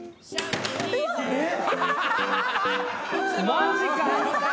マジか。